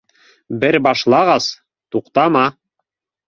— Бер башлағас, туҡтама